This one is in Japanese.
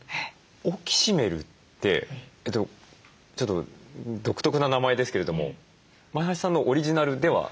オキシメルってちょっと独特な名前ですけれども前橋さんのオリジナルでは？